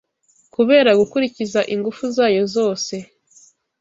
kubera gukurikiza Ingufu zayo zose